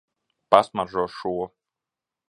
Pasmaržo šo.